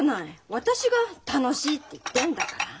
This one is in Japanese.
私が楽しいって言ってんだから。